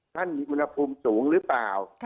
ท่านมีอุณหภูมิสูงหรือเปล่า